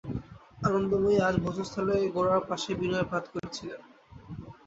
আনন্দময়ী আজ ভোজনস্থলে গোরার পাশেই বিনয়ের পাত করিয়াছিলেন।